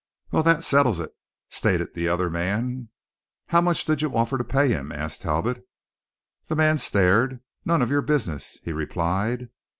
"Well, that settles it," stated the other man. "How much did you offer to pay him?" asked Talbot. The man stared. "None of your business," he replied.